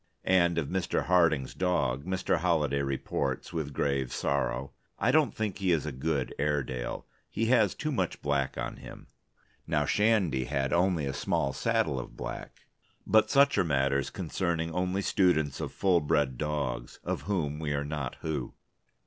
And of Mr. Harding's dog Mr. Holliday reports, with grave sorrow: "I don't think he is a good Airedale. He has too much black on him. Now Shandy had only a small saddle of black...." But such are matters concerning only students of full bred dogs, of whom we are not who.